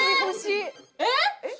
えっ！